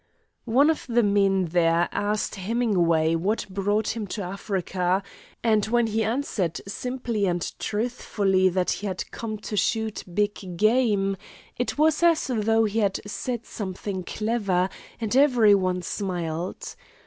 One of the men there asked Hemingway what brought him to Africa, and when he answered simply and truthfully that he had come to shoot big game, it was as though he had said something clever, and every one smiled.